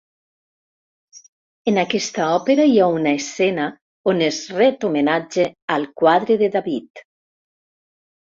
En aquesta òpera hi ha una escena on es ret homenatge al quadre de David.